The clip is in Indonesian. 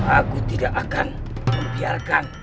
aku tidak akan membiarkan